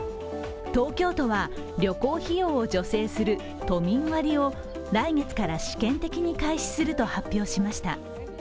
東京都は旅行費用を助成する都民割を来月から試験的に開始すると発表しました。